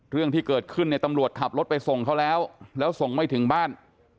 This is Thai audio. เรื่องที่เกิดขึ้นเนี่ยตำรวจขับรถไปส่งเขาแล้วแล้วส่งไม่ถึงบ้าน